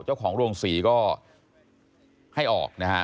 เจ้าของโรงศรีก็ให้ออกนะฮะ